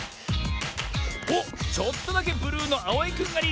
おっちょっとだけブルーのあおいくんがリード。